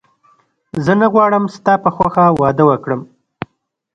زه نه غواړم ستا په خوښه واده وکړم